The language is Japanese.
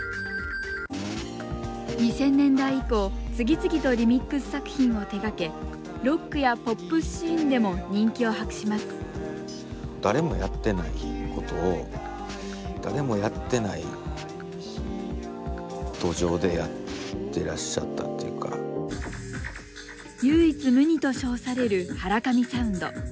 ２０００年代以降次々とリミックス作品を手がけロックやポップスシーンでも人気を博します唯一無二と称されるハラカミサウンド。